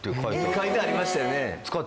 書いてありましたよね。